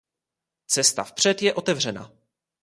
Cesta vpřed je otevřena.